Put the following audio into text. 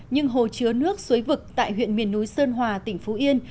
nhưng hồ chứa nước suối vực tại huyện miền núi sơn hòa tỉnh phú yên